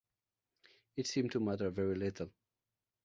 It seemed to matter very little.